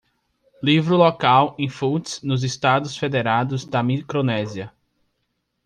Livro local em Fults nos Estados Federados da Micronésia